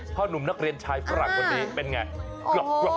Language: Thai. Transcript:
พ่อนุ่มนักเรียนชายฝรั่งคนนี้เป็นอย่างไร